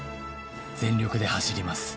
「全力で走ります」